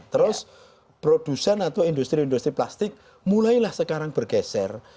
terus produsen atau industri industri plastik mulailah sekarang bergeser